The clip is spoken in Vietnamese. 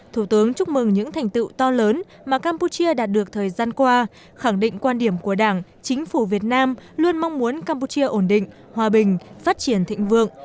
thủ tướng chúc mừng những thành tựu to lớn mà campuchia đạt được thời gian qua khẳng định quan điểm của đảng chính phủ việt nam luôn mong muốn campuchia ổn định hòa bình phát triển thịnh vượng